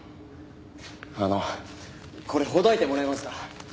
あのこれほどいてもらえますか？